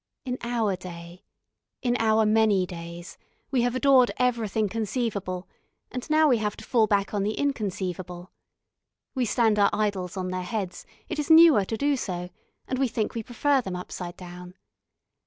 In our day in our many days we have adored everything conceivable, and now we have to fall back on the inconceivable. We stand our idols on their heads, it is newer to do so, and we think we prefer them upside down.